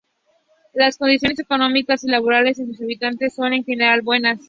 Las condiciones económicas y laborables de sus habitantes son, en general, buenas.